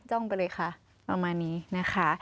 ้องไปเลยค่ะประมาณนี้นะคะ